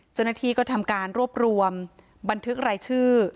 เจ้าหน้าที่ก็ทำการรวบรวมบันทึกรายชื่อ